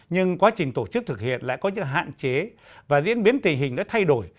nhưng quá trình tổ chức thực hiện lại có những hạn chế và diễn biến tình hình đã thay đổi